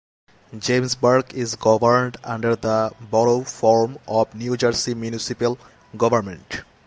Jamesburg is governed under the Borough form of New Jersey municipal government.